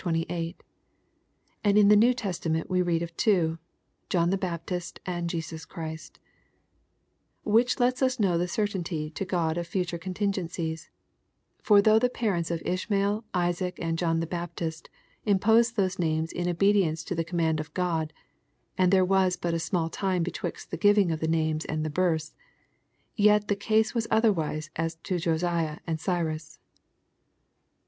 28; and in the New Testament we read of two: John the Baptist and Jesus Christ Which lets U8 know the cer tainty to God of future contingencies ; for though the parents of Ishmael, Isaac, and John the Baptist, imposed those names in obedience to the command of G^d, and there was but a smjUl time betwixt the giving of the names and the births, yet the case waa otherwise as to Josiah and Gyrus."